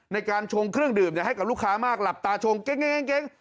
ในการชงเครื่องดื่มให้กับลูกค้ามากหลับตาชงเก้ง